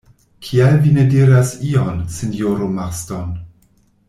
Kial vi ne diras ion, sinjoro Marston?